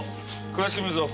詳しく見るぞ。